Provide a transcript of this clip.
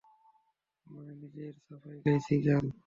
মানে, নিজের সাফাই গাইছি না!